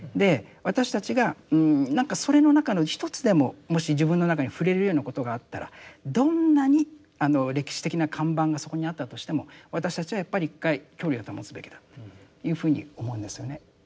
私たちがなんかそれの中の一つでももし自分の中に触れるようなことがあったらどんなに歴史的な看板がそこにあったとしても私たちはやっぱり一回距離を保つべきだというふうに思うんですよね。